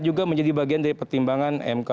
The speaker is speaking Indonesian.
juga menjadi bagian dari pertimbangan mk